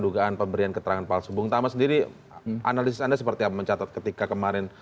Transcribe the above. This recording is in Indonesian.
dugaan pemberian keterangan palsu bung tama sendiri analisis anda seperti apa mencatat ketika kemarin